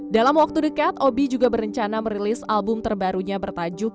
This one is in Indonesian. dalam waktu dekat obi juga berencana merilis album terbarunya bertajuk